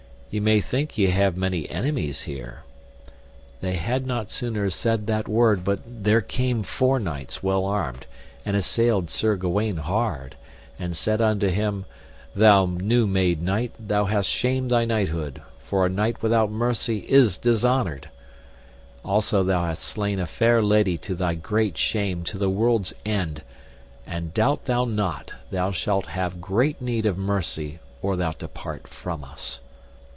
Ye may think ye have many enemies here. They had not sooner said that word but there came four knights well armed, and assailed Sir Gawaine hard, and said unto him, Thou new made knight, thou hast shamed thy knighthood, for a knight without mercy is dishonoured. Also thou hast slain a fair lady to thy great shame to the world's end, and doubt thou not thou shalt have great need of mercy or thou depart from us.